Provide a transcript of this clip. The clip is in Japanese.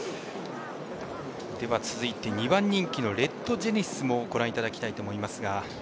続いて、２番人気のレッドジェネシスもご覧いただきたいと思います。